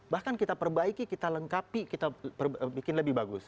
bahkan kita perbaiki kita lengkapi kita bikin lebih bagus